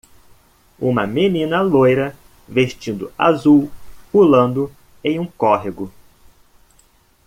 Uma menina loira vestindo azul pulando em um córrego